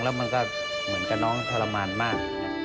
แล้วมันก็เหมือนกับน้องทรมานมาก